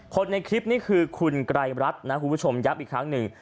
คนในคลิปนี้คือคุณไกรรัฐนะคุณผู้ชมย้ำอีกครั้งหนึ่ง